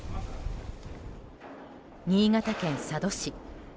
新潟県佐渡市。